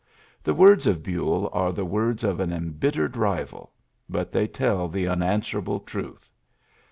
The words of Buell are the words of an imbittered rival ; but they tell the unanswerable truth.